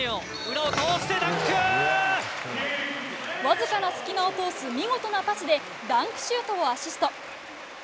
わずかな隙間を通す見事なパスでダンクシュートをアシスト。